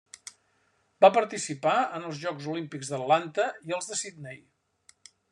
Va participar en els Jocs Olímpics d'Atlanta i als de Sydney.